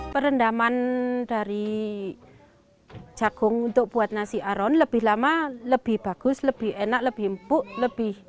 perendaman dari jagung untuk buat nasi aron lebih lama lebih bagus lebih enak lebih empuk lebih